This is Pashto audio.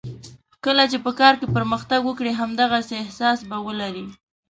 کله چې په کار کې پرمختګ وکړې همدغسې احساس به ولرې.